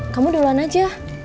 kamu duluan aja